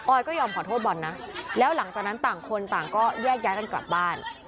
ก็ยอมขอโทษบอลนะแล้วหลังจากนั้นต่างคนต่างก็แยกย้ายกันกลับบ้าน